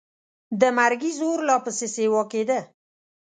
د مرګي زور لا پسې سیوا کېده.